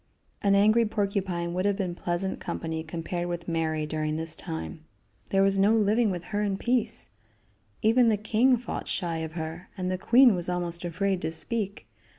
An angry porcupine would have been pleasant company compared with Mary during this time. There was no living with her in peace. Even the king fought shy of her, and the queen was almost afraid to speak.